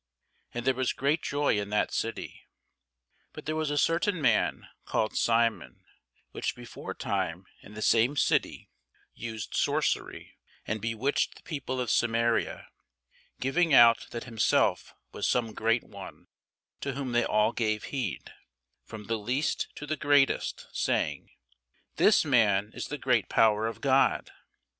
And there was great joy in that city. But there was a certain man, called Simon, which beforetime in the same city used sorcery, and bewitched the people of Samaria, giving out that himself was some great one: to whom they all gave heed, from the least to the greatest, saying, This man is the great power of God.